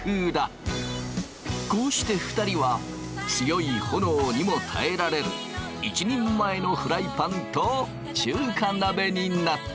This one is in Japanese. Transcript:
こうして２人は強い炎にも耐えられる一人前のフライパンと中華鍋になった。